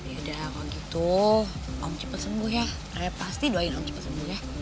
yaudah kalau gitu om cepat sembuh ya raya pasti doain om cepat sembuh ya